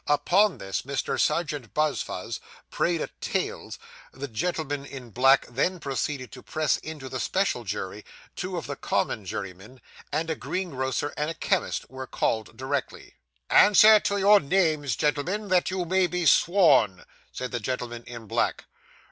Upon this, Mr. Serjeant Buzfuz prayed a tales; the gentleman in black then proceeded to press into the special jury, two of the common jurymen; and a greengrocer and a chemist were caught directly. 'Answer to your names, gentlemen, that you may be sworn,' said the gentleman in black.